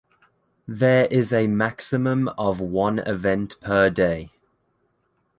there is a maximum of one event per day